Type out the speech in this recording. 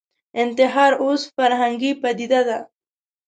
انتحار اوس فرهنګي پدیده ده